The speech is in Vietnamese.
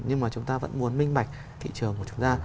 nhưng mà chúng ta vẫn muốn minh mạch thị trường của chúng ta